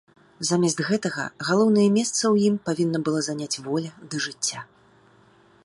Замест гэтага, галоўнае месца ў ім павінна была заняць воля да жыцця.